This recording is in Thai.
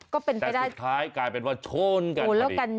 แต่สุดท้ายกลายเป็นว่าช้นกัน